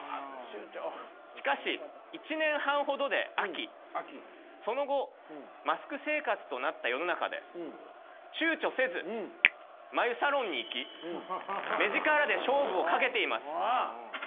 しかし１年半ほどで飽きその後マスク生活となった世の中で躊躇せず眉サロンに行き目力で勝負をかけています。